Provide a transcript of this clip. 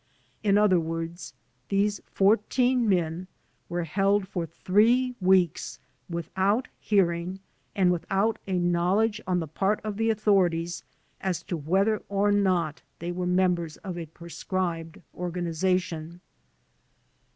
In other words, these four teen men were held for three weeks without hearing and without a knowledge on the part of the authorities as to whether or not they were members of a proscribed or ganization.